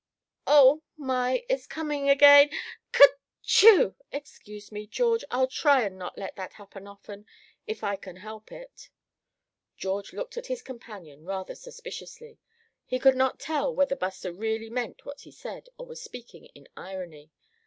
oh! my, it's coming again, ker chew! Excuse me, George. I'll try and not let that happen often, if I can help it." George looked at his companion rather suspiciously. He could not tell whether Buster really meant what he said, or was speaking in irony.